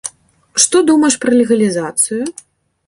Што думаеш пра легалізацыю?